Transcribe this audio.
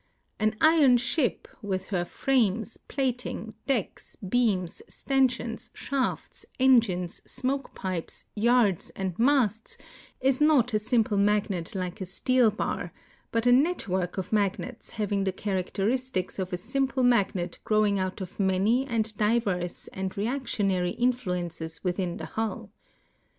An iron ship, with her frames, plating, decks, beams, stanch ions, shafts, engines, smoke pipes, yards, and masts, is not a sim ple magnet like a steel bar, but a network of magnets having the characteristics of a simple magnet growing out of many and di verse and reactionary influences within the hull.